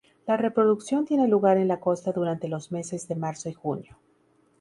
La reproducción tiene lugar en la costa durante los meses de marzo y junio.